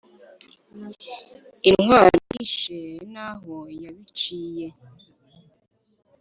intwari yishe n’aho yabiciye)